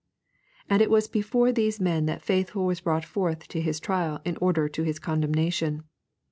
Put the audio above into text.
And it was before these men that Faithful was brought forth to his trial in order to his condemnation.